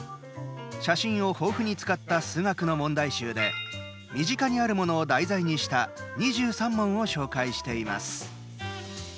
写真を豊富に使った数学の問題集で身近にあるものを題材にした２３問を紹介しています。